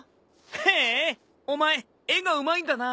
へえお前絵がうまいんだな。